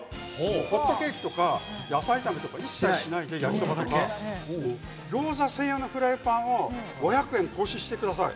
ホットケーキとか野菜炒めとか一切しないでギョーザ専用のフライパンを５００円、投資してください。